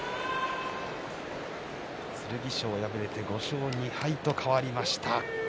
剣翔、敗れて５勝２敗と変わりました。